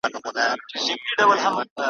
له خندا شین سي ورته نڅیږي ,